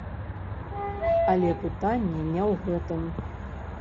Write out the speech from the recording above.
Але пытанне не ў гэтым.